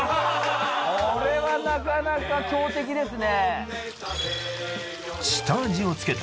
これはなかなか強敵ですね